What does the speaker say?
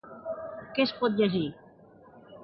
Què es pot llegir?